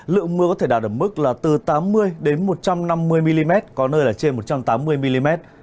lượng mưa có thể đạt ở mức là từ tám mươi một trăm năm mươi mm có nơi là trên một trăm tám mươi mm